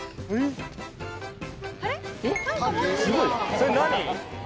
それ何？